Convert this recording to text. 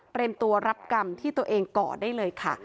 ตัวรับกรรมที่ตัวเองก่อได้เลยค่ะ